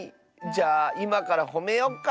じゃあいまからほめよっか。